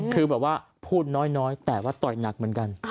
คือแบบว่าพูดน้อยแต่ว่าต่อยหนักเหมือนกัน